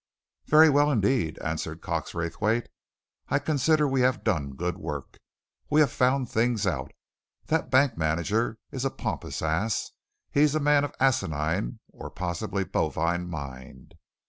"Very well indeed," answered Cox Raythwaite. "I consider we have done good work. We have found things out. That bank manager is a pompous ass; he's a man of asinine, or possible bovine, mind!